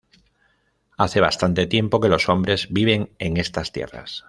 Hace bastante tiempo que los hombres viven en estas tierras.